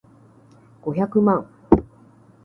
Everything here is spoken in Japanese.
五百万